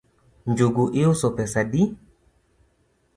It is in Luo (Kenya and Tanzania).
Njugu iuso pesa adi?